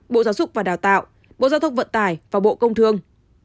bộ giáo dục và đào tạo bộ giao thông vận tải và bộ công thương